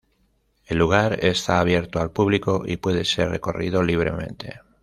El lugar está abierto al público y puede ser recorrido libremente.